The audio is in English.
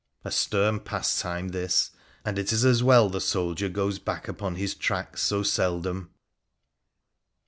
A stern pastime, this, and it is as well the soldier goes back upon his tracks so seldom